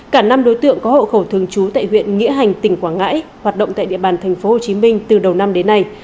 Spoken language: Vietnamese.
cả năm đối tượng có hộ khẩu thường trú tại huyện nghĩa hành tỉnh quảng ngãi hoạt động tại địa bàn tp hcm từ đầu năm đến nay